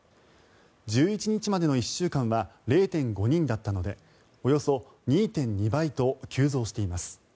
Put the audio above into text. １１日までの１週間は０．５人だったのでおよそ２．２倍と急増しています。